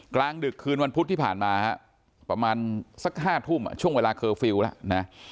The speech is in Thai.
กลางดึกคืนวันพุธที่ผ่านมาฮะประมาณสัก๕ทุ่มช่วงเวลาเคอร์ฟิลล์แล้วนะ